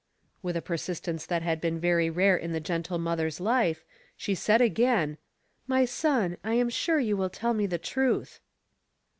With a persistence that had been very rare in the gentle mother's life, she said again, " My son, I am sure you will tell me the truth."